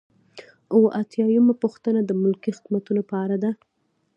اووه اتیا یمه پوښتنه د ملکي خدمتونو په اړه ده.